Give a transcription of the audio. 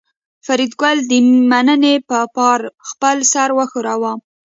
فریدګل د مننې په پار خپل سر وښوراوه